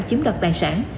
chiếm đoạt tài sản